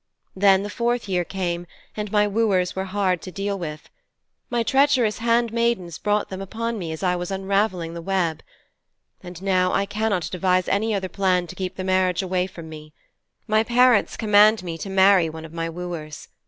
Then the fourth year came, and my wooers were hard to deal with. My treacherous handmaidens brought them upon me as I was unravelling the web. And now I cannot devise any other plan to keep the marriage away from me. My parents command me to marry one of my wooers.